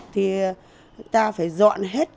thì ta phải dọn hết